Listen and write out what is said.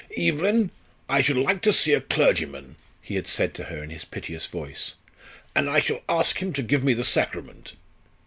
"Evelyn, I should like to see a clergyman," he had said to her in his piteous voice, "and I shall ask him to give me the Sacrament."